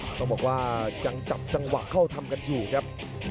ต้องบอกว่ายังจับจังหวะเข้าทำกันอยู่ครับ